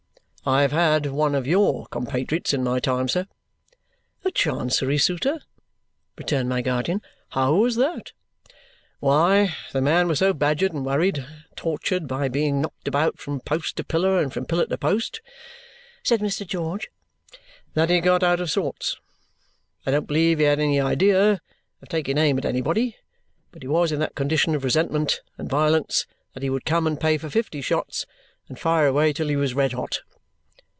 "I have had one of YOUR compatriots in my time, sir." "A Chancery suitor?" returned my guardian. "How was that?" "Why, the man was so badgered and worried and tortured by being knocked about from post to pillar, and from pillar to post," said Mr. George, "that he got out of sorts. I don't believe he had any idea of taking aim at anybody, but he was in that condition of resentment and violence that he would come and pay for fifty shots and fire away till he was red hot.